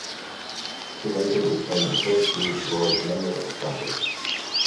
He later became the first Jewish Lord Mayor of Dublin.